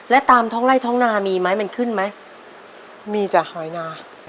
แล้วตามทองไร่ทองนามีมั้ยมันขึ้นมั้ยมีจ้ะหอยนา